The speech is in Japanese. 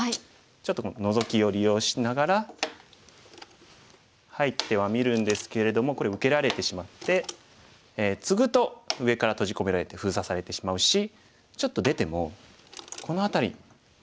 ちょっとこのノゾキを利用しながら入ってはみるんですけれどもこれ受けられてしまってツグと上から閉じ込められて封鎖されてしまうしちょっと出てもこの辺りまだしっかりツナがってないですよね。